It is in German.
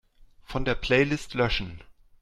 Von der Playlist löschen.